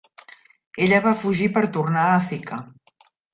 Ella va fugir per tornar a Thika.